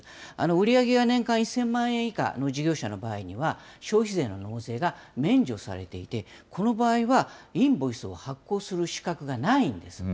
売り上げが年間１０００万円以下の事業者の場合には、消費税の納税が免除されていて、この場合は、インボイスを発行する資格がないんですね。